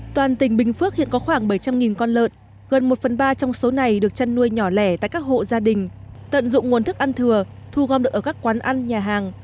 toàn tỉnh bình phước hiện có khoảng bảy trăm linh con lợn gần một phần ba trong số này được chăn nuôi nhỏ lẻ tại các hộ gia đình tận dụng nguồn thức ăn thừa thu gom được ở các quán ăn nhà hàng